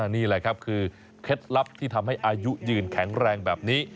นี่แหละครับคือเคล็ดลับที่ทำให้อายุยืนแข็งแรงแบบนี้